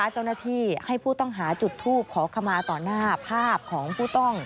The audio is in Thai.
เจ้าหน้าที่ให้ผู้ต้องหาจุดทูปขอขมาต่อหน้าภาพของผู้ต้อง